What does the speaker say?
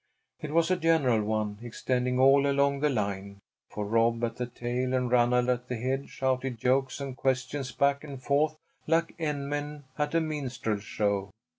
It was a general one, extending all along the line, for Rob at the tail and Ranald at the head shouted jokes and questions back and forth like end men at a minstrel show.